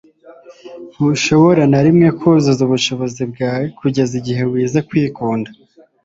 ntushobora na rimwe kuzuza ubushobozi bwawe kugeza igihe wize kwikunda